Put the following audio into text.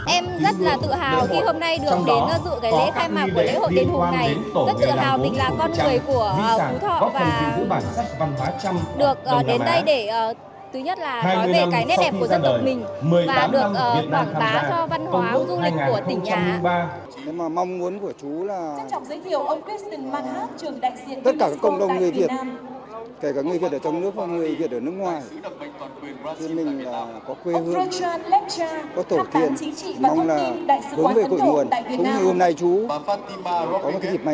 em rất tự hào khi hôm nay được đến dự lễ khai mạc lễ hội đền hùng này rất tự hào mình là con người của phú thọ và được đến đây để nói về nét đẹp của dân tộc mình và được tổng bá cho văn hóa du lịch của tỉnh ạ